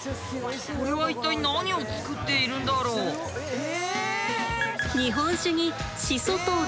これは一体何を作っているんだろう？え！